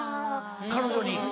彼女に。